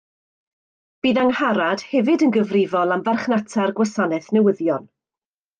Bydd Angharad hefyd yn gyfrifol am farchnata'r gwasanaeth newyddion